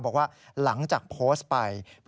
บอกว่าหลังจากโพสต์ไป